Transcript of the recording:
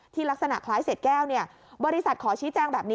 ลักษณะคล้ายเศษแก้วบริษัทขอชี้แจงแบบนี้